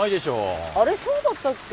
あれそうだったっけ？